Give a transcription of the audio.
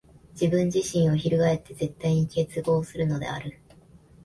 自己自身を翻して絶対に結合するのである。